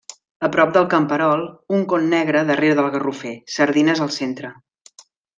A prop del camperol: un con negre darrere del garrofer: sardines al centre.